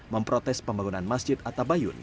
memprotes pembangunan masjid atta bayun